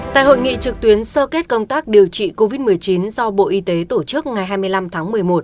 tại hội nghị trực tuyến sơ kết công tác điều trị covid một mươi chín do bộ y tế tổ chức ngày hai mươi năm tháng một mươi một